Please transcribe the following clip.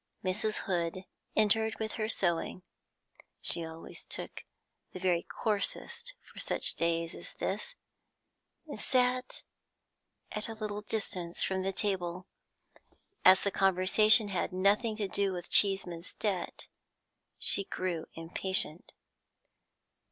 Mrs. Hood entered with her sewing she always took the very coarsest for such days as this and sat at a little distance from the table. As the conversation had nothing to do with Cheeseman's debt, she grew impatient.